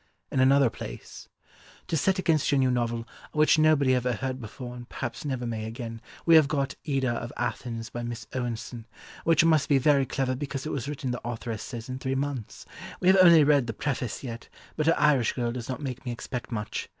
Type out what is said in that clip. In another place: "To set against your new novel, of which nobody ever heard before, and perhaps never may again, we have got Ida of Athens by Miss Owenson, which must be very clever because it was written the authoress says in three months. We have only read the preface yet, but her Irish girl does not make me expect much.